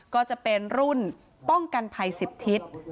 ก็จะเป็นรุ่นป้องกันภัย๑๐ทิศ